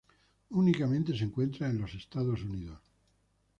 Únicamente se encuentra en los Estados Unidos.